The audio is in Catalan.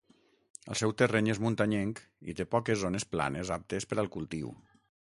El seu terreny és muntanyenc i té poques zones planes aptes per al cultiu.